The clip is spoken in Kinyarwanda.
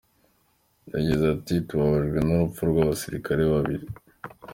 Yagize ati: “Tubabajwe n’urupfu rw’abasirikare babiri,”